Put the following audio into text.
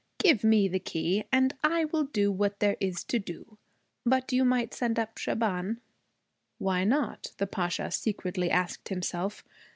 Give me the key and I will do what there is to do. But you might send up Shaban.' Why not? the Pasha secretly asked himself.